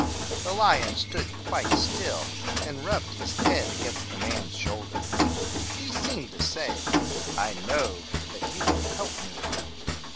The lion stood quite still, and rubbed his head against the man's shoulder. He seemed to say, "I know that you will help me."